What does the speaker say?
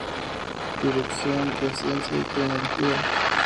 Dirección de Ciencia y Tecnología.